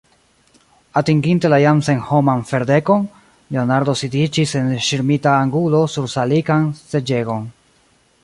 Atinginte la jam senhoman ferdekon, Leonardo sidiĝis en ŝirmita angulo sur salikan seĝegon.